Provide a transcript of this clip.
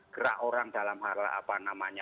gerak orang dalam hal apa namanya